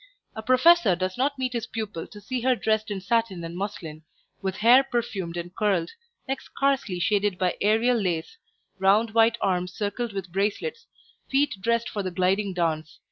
A professor does not meet his pupil to see her dressed in satin and muslin, with hair perfumed and curled, neck scarcely shaded by aerial lace, round white arms circled with bracelets, feet dressed for the gliding dance.